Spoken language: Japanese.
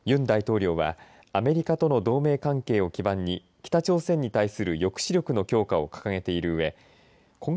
ユン大統領はアメリカとの同盟関係を基盤に北朝鮮に対する抑止力の強化を掲げているうえ